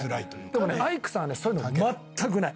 でもね、アイクさんはそういうのが全くない。